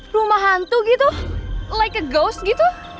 rumah hantu gitu like a ghost gitu